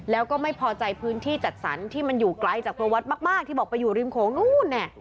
แล้วก็ไม่พอใจพื้นที่จัดสรรที่มันอยู่ไกลจากประวัติมากที่บอกไปอยู่ริมโขงนู้น